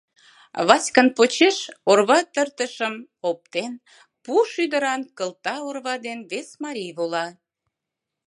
Васькан почеш, орва тыртышым оптен, пу шӱдыран кылта орва дене вес марий вола.